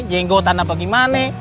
jenggotan apa gimana